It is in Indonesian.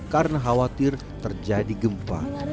karena khawatir terjadi gempa